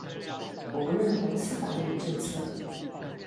我不認同司法院的政策